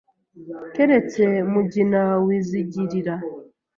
Keretse Mugina wazigirira